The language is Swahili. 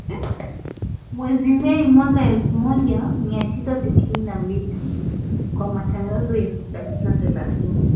Mwezi Mei mwaka elfu moja mia tisa sitini na mbili kwa matangazo ya dakika thelathini